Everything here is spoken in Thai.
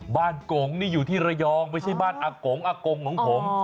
กงนี่อยู่ที่ระยองไม่ใช่บ้านอากงอากงของผม